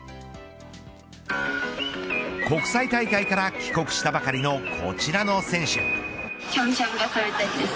国際大会から帰国したばかりのこちらの選手。